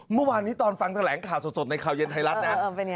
เมื่อวานนี้ตอนฟังแถลงข่าวสดในข่าวเย็นไทยรัฐนะ